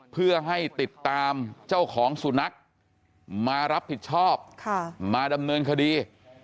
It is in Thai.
เพื่อให้ติดตามเจ้าของสุนัขมารับผิดชอบมาดำเนินคดี